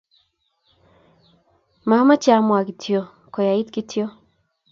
Mamache amwa kityo koyait kityo